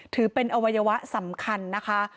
ถือเป็นอวัยวะสำคัญนะคะ